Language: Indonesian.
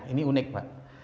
ini unik pak